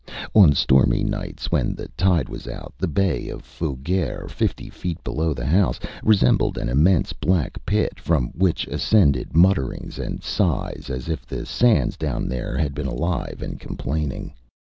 On stormy nights, when the tide was out, the bay of Fougere, fifty feet below the house, resembled an immense black pit, from which ascended mutterings and sighs as if the sands down there had been alive and complaining.